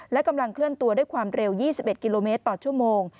และกำลังเคลื่อนตัวด้วยความเร็ว๒๑กิโลเมตรต่อชั่วโมง